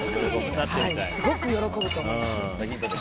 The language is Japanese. すごく喜ぶと思います。